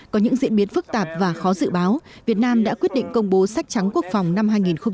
có những diễn biến phức tạp và khó dự báo việt nam đã quyết định công bố sách trắng quốc phòng năm hai nghìn một mươi chín